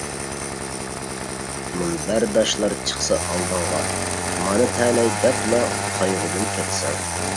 مۇنبەرداشلار چىقسا ئالدىڭغا، مانا تەلەي دەپلا قايغۇدىن كەچسەڭ.